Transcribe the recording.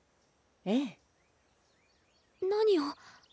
ええ何を？